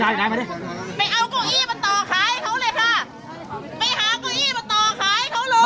ขอดูหนานองสาวสักนิดด้วยดิฉันไม่ได้มียานสัมผัส